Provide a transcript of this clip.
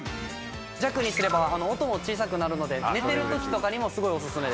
弱にすれば音も小さくなるので寝てる時とかにもすごいおすすめです。